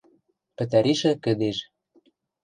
ПӸТӒРИШӸ КӸДЕЖ